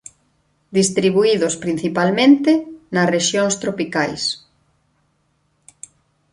Distribuídos principalmente nas rexións tropicais.